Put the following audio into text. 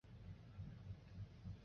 然而朝鲜天主教很快死灰复燃。